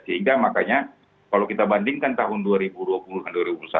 sehingga makanya kalau kita bandingkan tahun dua ribu dua puluh dan dua ribu dua puluh satu